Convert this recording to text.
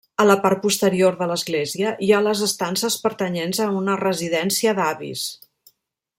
A la part posterior de l'església hi ha les estances pertanyents a una residència d'avis.